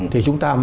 thì chúng ta